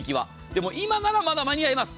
でも今ならまだ間に合います。